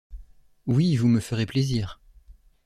Oui, vous me ferez plaisir.